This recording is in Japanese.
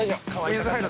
水入る？